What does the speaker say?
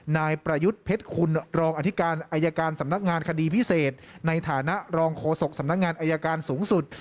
นายประยุทธ์เพชรคุณรองอธิการอายการสำนักงานคดีพิเศษในฐานะรองโฆษกสำนักงานอายการสูงสุด